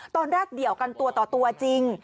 ตอนแรกเดี่ยวกันตัวต่อตัวจริง